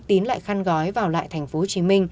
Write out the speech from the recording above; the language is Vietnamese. tín lại khăn gói vào lại tp hcm